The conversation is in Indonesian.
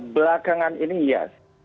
belakangan ini iya